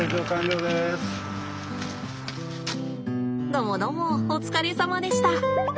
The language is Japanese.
どもどもお疲れさまでした。